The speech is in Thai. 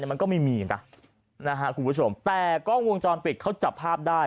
มันก็ไม่มีนะนะฮะคุณผู้ชมแต่กล้องวงจรปิดเขาจับภาพได้